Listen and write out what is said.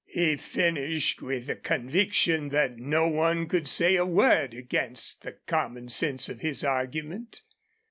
He finished with a conviction that no one could say a word against the common sense of his argument.